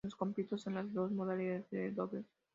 En los compitió en las dos modalidades de dobles.